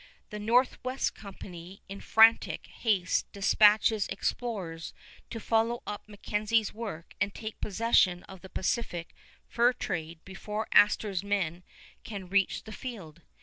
The Northwest Company in frantic haste dispatches explorers to follow up MacKenzie's work and take possession of the Pacific fur trade before Astor's men can reach the field.